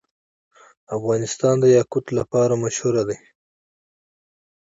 افغانستان د یاقوت لپاره مشهور دی.